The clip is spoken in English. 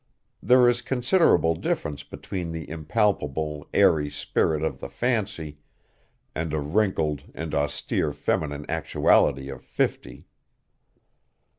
There is considerable difference between the impalpable, airy spirit of the fancy and a wrinkled and austere feminine actuality of fifty.